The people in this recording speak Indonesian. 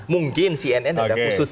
mungkin cnn ada khusus